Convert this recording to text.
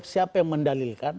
siapa yang mendalilkan